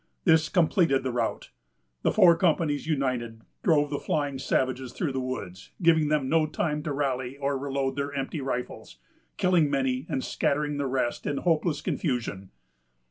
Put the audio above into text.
This completed the rout. The four companies, uniting, drove the flying savages through the woods, giving them no time to rally or reload their empty rifles, killing many, and scattering the rest in hopeless confusion.